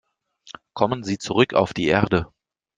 Kommen Sie zurück auf die Erde.